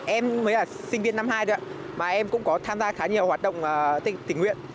em mới là sinh viên năm hai nữa mà em cũng có tham gia khá nhiều hoạt động tình nguyện